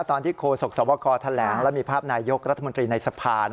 ตอนที่โครสกษะวะครทะแหลงแล้วมีภาพนายยกรัฐมนตรีในสภา